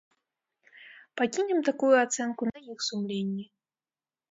Пакінем такую ацэнку на іх сумленні.